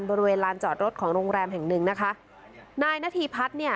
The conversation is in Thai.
บริเวณลานจอดรถของโรงแรมแห่งหนึ่งนะคะนายนาธีพัฒน์เนี่ย